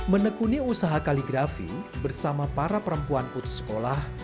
menekuni usaha kaligrafi bersama para perempuan putus sekolah